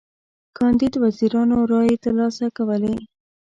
کاندید وزیرانو رایی تر لاسه کولې.